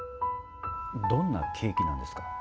どんなケーキなんですか？